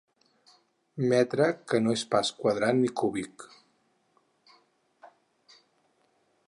Metre que no és pas quadrat ni cúbic.